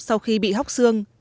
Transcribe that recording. sau khi bị hóc xương